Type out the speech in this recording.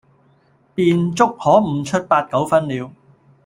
便足可悟出八九分了。